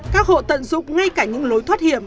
các hộ tận dụng ngay cả những lối thoát hiểm